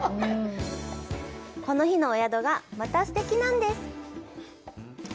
この日のお宿が、またすてきなんです。